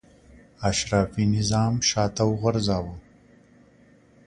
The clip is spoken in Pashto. اشرافي نظام شاته وغورځاوه.